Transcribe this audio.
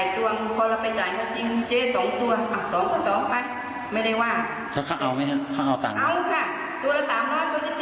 ตัวละ๓๐๐ตัวละ๓๐๐ไม่ใช่ว่าจ่ายตัวละ๑๐๐นะอืม